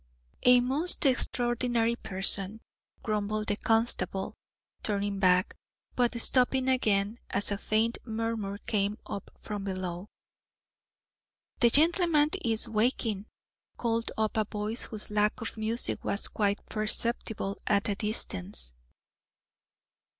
"A most extraordinary person," grumbled the constable, turning back, but stopping again as a faint murmur came up from below. "The gentleman is waking," called up a voice whose lack of music was quite perceptible at a distance.